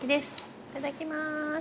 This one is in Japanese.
いただきまーす。